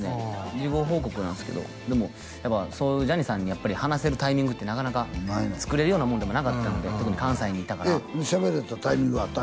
事後報告なんすけどでもやっぱそうジャニーさんに話せるタイミングってなかなかつくれるようなもんでもなかったので特に関西にいたから喋れたタイミングあった？